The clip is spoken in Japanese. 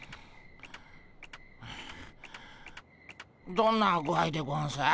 どんな具合でゴンス？